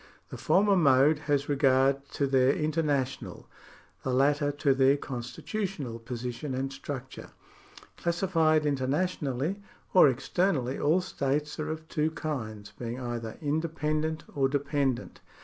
The former mode has regard to their international, the latter to their constitu tional position and structure. Classified internationally or externally, all states are of two kinds, being either indepen dent or dependent.